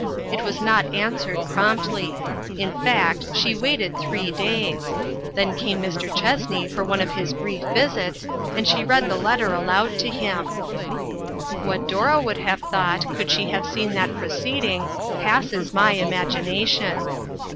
It was not answered promptly ; in fact, she waited three days ; then came Mr. Chessney for one of his brief visits, and she read the letter aloud to him. What Dora would have thought, could she have seen that proceeding, passes my imagination.